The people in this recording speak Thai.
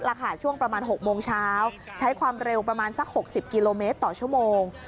ช่วงประมาณ๖โมงเช้าใช้ความเร็วประมาณสัก๖๐กิโลเมตรต่อชั่วโมง